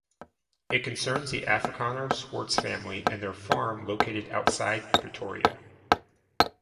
It concerns the Afrikaner Swarts family and their farm located outside Pretoria.